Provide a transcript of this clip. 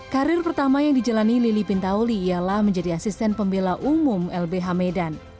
karir pertama yang dijalani lili pintauli ialah menjadi asisten pembela umum lbh medan